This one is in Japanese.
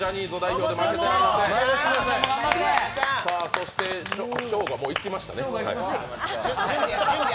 そしてショーゴは、もう行きましたね。